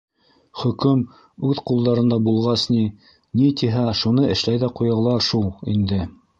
— Хөкөм үҙ ҡулдарында булғас ни, ни тиһә, шуны эшләй ҙә ҡуялар шул инде.